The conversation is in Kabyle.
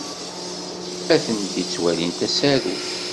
Atenti ttwalint asaru.